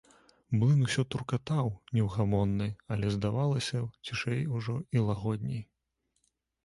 Млын усё туркатаў, неўгамонны, але, здавалася, цішэй ужо і лагодней.